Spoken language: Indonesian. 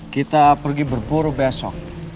kita pergi berburu besok